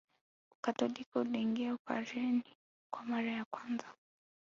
Ukatoliki uliingia Upareni kwa mara ya kwanza